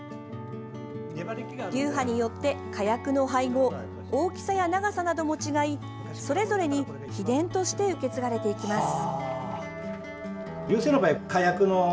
流派によって火薬の配合大きさや長さなども違いそれぞれに秘伝として受け継がれています。